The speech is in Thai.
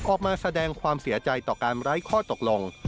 ออกมาแสดงความเสียใจต่อการไร้ข้อตกลง